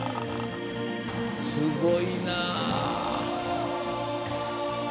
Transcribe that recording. すごいな。